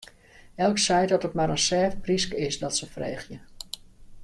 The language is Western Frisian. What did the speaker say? Elk seit dat it mar in sêft pryske is, dat se freegje.